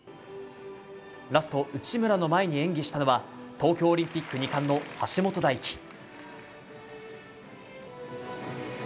ラスト、内村の前に演技したのは東京オリンピック２冠の橋本大輝。